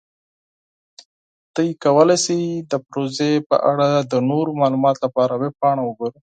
تاسو کولی شئ د پروژې په اړه د نورو معلوماتو لپاره ویب پاڼه وګورئ.